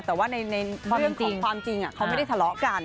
แต่ว่าในเรื่องของความจริงเขาไม่ได้ทะเลาะกัน